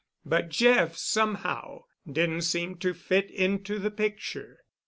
But Jeff somehow didn't seem to fit into the picture.